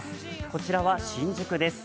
こちらは新宿です。